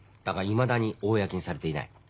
だがいまだに公にされていない。